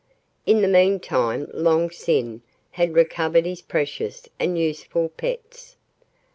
In the meantime Long Sin had recovered his precious and useful pets.